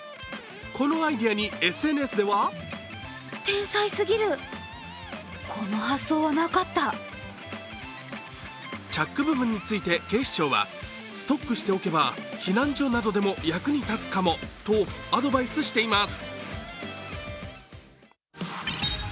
このアイデアにＳＮＳではチャック部分について警視庁はストックしておけば、避難所などでも役に立つかもとアドバイスしています。